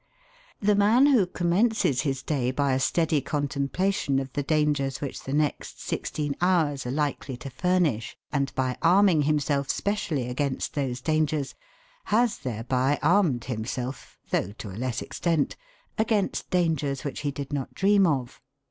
The man who commences his day by a steady contemplation of the dangers which the next sixteen hours are likely to furnish, and by arming himself specially against those dangers, has thereby armed himself, though to a less extent, against dangers which he did not dream of.